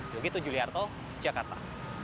begitu gugliarto jakarta